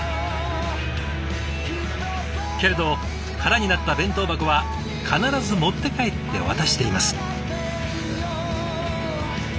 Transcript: けれど空になった弁当箱は必ず持って帰って渡しています。